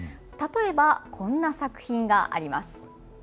例えば、こんな作品があります。